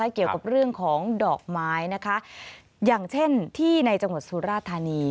เกี่ยวกับเรื่องของดอกไม้นะคะอย่างเช่นที่ในจังหวัดสุราธานี